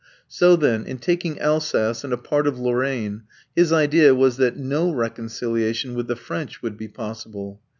So, then, in taking Alsace and a part of Lorraine, his idea was that no reconciliation with the French would be possible.